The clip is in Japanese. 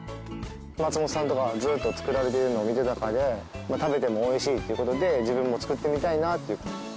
松本さんとかがずっと作られているのを見てる中で食べても美味しいっていう事で自分も作ってみたいなという。